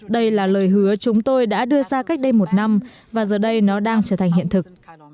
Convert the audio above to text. đây là lời hứa chúng tôi đã đưa ra cách đây một năm và giờ đây nó đang trở thành hiện thực